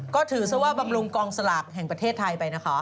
ก็ถือซะว่าบำรุงกองสลากแห่งประเทศไทยไปนะคะ